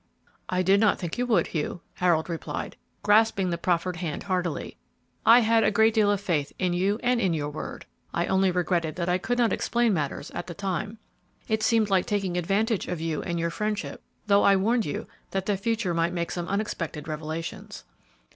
"I did not think you would, Hugh," Harold replied, grasping the proffered hand heartily; "I had a great deal of faith in you and in your word. I only regretted that I could not explain matters at the time; it seemed like taking advantage of you and your friendship, though I warned you that the future might make some unexpected revelations."